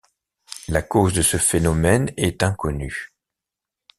La cause de ce phénomène est inconnue.